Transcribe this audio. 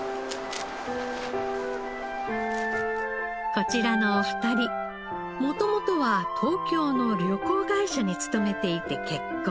こちらのお二人元々は東京の旅行会社に勤めていて結婚。